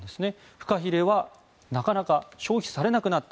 フカヒレはなかなか消費されなくなった。